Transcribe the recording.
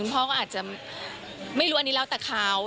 พ่อก็อาจจะไม่รู้อันนี้แล้วแต่เขา